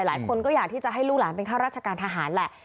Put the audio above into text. หลายคนก็อยากที่จะให้ลูกหลานเป็นข้าราชการทหารแหละ